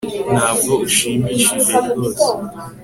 ntabwo ushimishije ryose